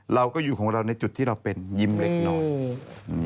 เราก็อยู่ของเราในจุดที่เราเป็นยิ้มเล็กน้อยอืม